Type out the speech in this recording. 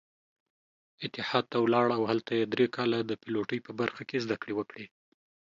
اتحاد ته ولاړ او هلته يې درې کاله د پيلوټۍ برخه کې زدکړې وکړې.